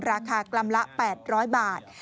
ราคากรัมละ๘๐๐บาท